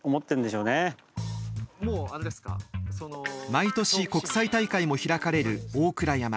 毎年国際大会も開かれる大倉山。